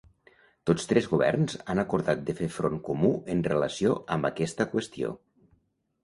Tots tres governs han acordat de fer front comú en relació amb aquesta qüestió.